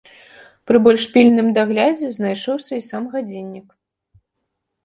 Пры больш пільным даглядзе знайшоўся і сам гадзіннік.